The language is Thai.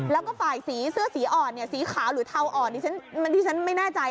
แล้วก็ฝ่ายสีเสื้อสีอ่อนเนี่ยสีขาวหรือเทาอ่อนที่ฉันไม่แน่ใจ